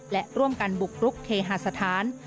แกร่งร่วมกันบุกรุกเคฮาสธาน